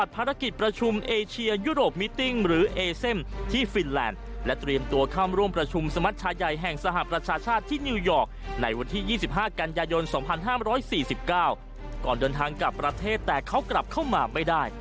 ก่อนเดินทางกลับประเทศแต่เขากลับเข้ามาไม่ได้